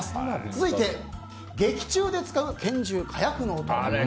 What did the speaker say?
続いて劇中で使う拳銃・火薬の音。